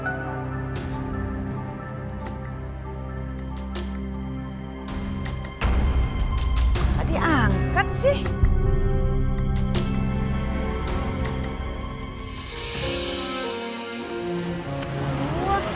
tidak ada yang bisa dipercaya